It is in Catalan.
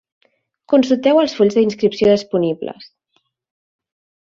Consulteu els fulls d'inscripció disponibles.